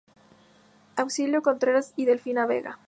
Auxilio Contreras y Delfina Vega.